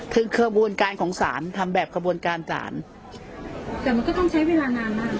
ถึงของสารทำแบบขบวนการสารแต่มันก็ต้องใช้เวลานานมาก